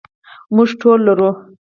موږ ټول لرو.